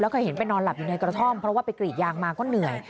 เคยเห็นไปนอนหลับอยู่ในกระท่อมเพราะว่าไปกรีดยางมาก็เหนื่อย